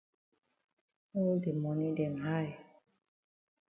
All de moni dem high.